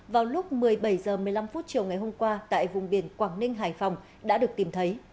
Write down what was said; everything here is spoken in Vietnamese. vào lúc một mươi bảy h một mươi năm chiều ngày hôm qua tại vùng biển quảng ninh hải phòng đã được tìm thấy